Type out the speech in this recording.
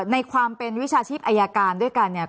ในความเป็นวิชาชีพอายการด้วยกันเนี่ย